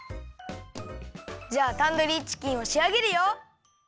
じゃあタンドリーチキンをしあげるよ！